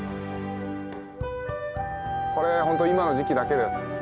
これ本当に今の時期だけです。